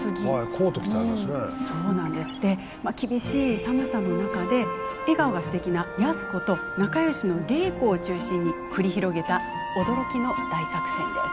厳しい寒さの中で笑顔がすてきな安子と仲よしの玲子を中心に繰り広げた驚きの大作戦です。